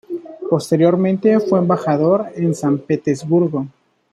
Posteriormente fue embajador en San Petersburgo.